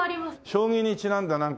将棋にちなんだなんか。